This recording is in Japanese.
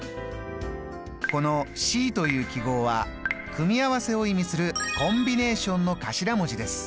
このＣという記号は組み合わせを意味するコンビネーションの頭文字です。